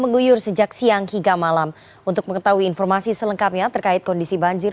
menguyur sejak siang hingga malam untuk mengetahui informasi selengkapnya terkait kondisi banjir